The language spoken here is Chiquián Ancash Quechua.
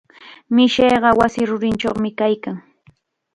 Mishiqa wasi rurinchawmi kaykan.